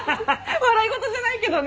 笑い事じゃないけどね。